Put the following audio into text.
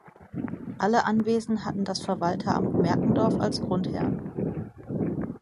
Alle Anwesen hatten das Verwalteramt Merkendorf als Grundherrn.